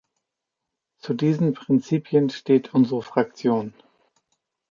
Zu diesen Prinzipien steht unsere Fraktion.